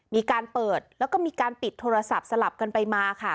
มีการเปิดแล้วก็มีการปิดโทรศัพท์สลับกันไปมาค่ะ